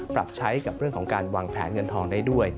ปรับใช้กับเรื่องของการวางแผนเงินทองได้ด้วย